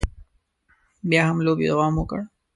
بیا هم لوبې دوام وکړ.